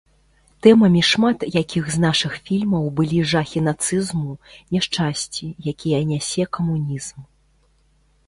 Тэмамі шмат якіх з нашых фільмаў былі жахі нацызму, няшчасці, якія нясе камунізм.